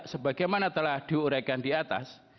sebagaimana telah diuraikan di atas